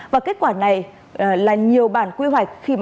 và kết quả này là nhiều bản quy hoạch